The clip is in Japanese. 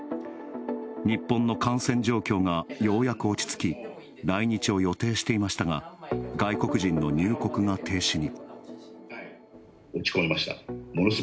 日本の感染状況がようやく落ち着き来日を予定していましたが外国人の入国が停止に。